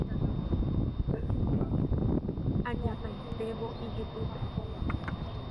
ha'e ajapaitévo ijypýpe